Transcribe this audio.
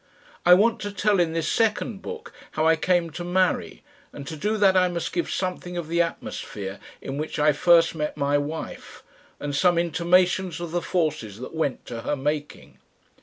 I want to tell in this second hook how I came to marry, and to do that I must give something of the atmosphere in which I first met my wife and some intimations of the forces that went to her making.